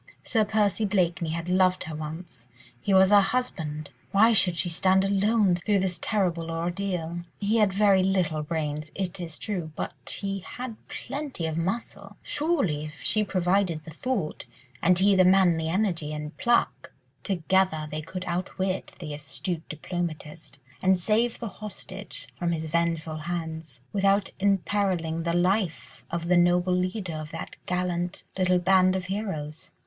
Sir Percy Blakeney had loved her once; he was her husband; why should she stand alone through this terrible ordeal? He had very little brains, it is true, but he had plenty of muscle: surely, if she provided the thought, and he the manly energy and pluck, together they could outwit the astute diplomatist, and save the hostage from his vengeful hands, without imperilling the life of the noble leader of that gallant little band of heroes.